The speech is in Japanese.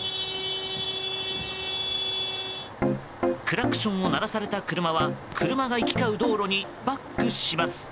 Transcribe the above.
クラクションを鳴らされた車は車が行き交う道路にバックします。